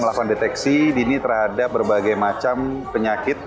melakukan deteksi dini terhadap berbagai macam penyakit